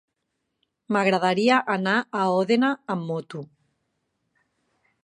M'agradaria anar a Òdena amb moto.